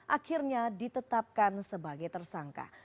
akhirnya ditetapkan sebagai tersangka